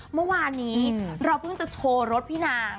เมื่อวานนี้เราเพิ่งจะโชว์รถพี่นาง